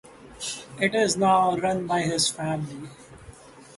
It is now run by his family.